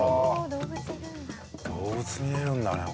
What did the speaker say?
動物見えるんだね